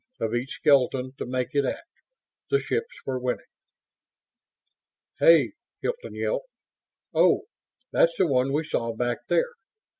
of each skeleton to make it act. The ships were winning. "Hey!" Hilton yelped. "Oh that's the one we saw back there.